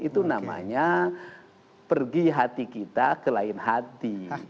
itu namanya pergi hati kita ke lain hati